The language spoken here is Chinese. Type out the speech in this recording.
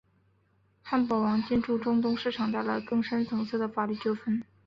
汉堡王进驻中东市场带来了更深层次的法律纠纷。